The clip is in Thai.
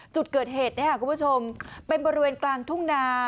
จุดเกิดเหตุคุณผู้ชมเป็นบริเวณกลางทุ่งนา